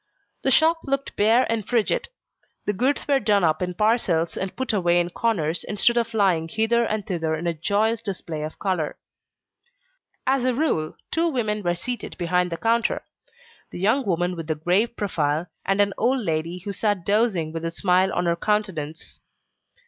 The shop looked bare and frigid; the goods were done up in parcels and put away in corners instead of lying hither and thither in a joyous display of colour. As a rule two women were seated behind the counter: the young woman with the grave profile, and an old lady who sat dozing with a smile on her countenance.